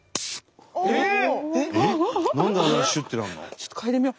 ちょっと嗅いでみよう。